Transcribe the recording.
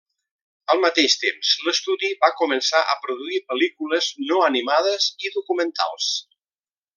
Al mateix temps, l’estudi va començar a produir pel·lícules no animades i documentals.